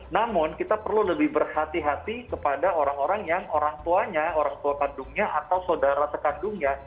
namun kita perlu lebih berhati hati kepada orang orang yang orang tuanya orang tua kandungnya atau saudara sekandungnya